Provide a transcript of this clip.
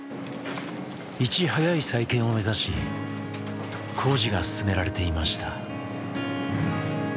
いち早い再建を目指し工事が進められていました。